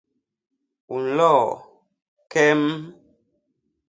U nloo ? kem! .